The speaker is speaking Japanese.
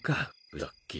ルッキー！